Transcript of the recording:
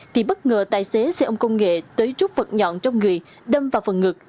thì bất ngờ tài xế xe ôm công nghệ tới rút vật nhọn trong người đâm vào phần ngực